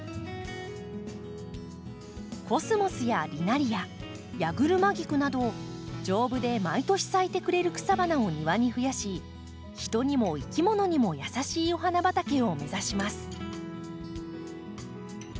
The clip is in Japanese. コスモスやリナリアヤグルマギクなど丈夫で毎年咲いてくれる草花を庭にふやし人にもいきものにも優しいお花畑を目指します。